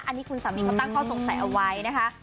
อันนี้คุณสามีเขาตั้งข้อสงสัยเอาไว้นะคะ